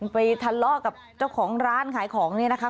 ไปทะเลาะกับเจ้าของร้านขายของเนี่ยนะคะ